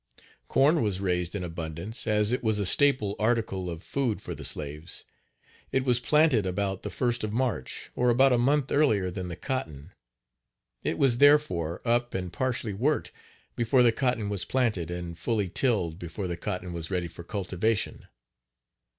Corn was raised in abundance, as it was a staple article of food for the slaves. It was planted about Page 34 the 1st of March, or about a month earlier than the cotton. It was, therefore, up and partially worked before the cotton was planted and fully tilled before the cotton was ready for cultivation.